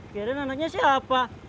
kirain anaknya siapa